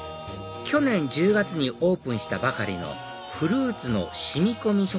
去年１０月にオープンしたばかりのフルーツの染み込み